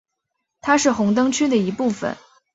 它是红灯区的一部分。